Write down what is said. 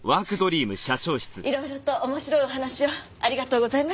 色々と面白いお話をありがとうございました。